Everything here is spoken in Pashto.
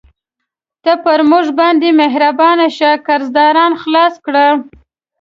ته پر موږ باندې مهربانه شه، قرضداران خلاص کړه.